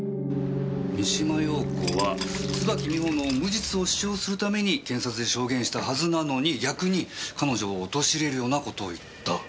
三島陽子は椿美穂の無実を主張するために検察で証言したはずなのに逆に彼女を陥れるような事を言った。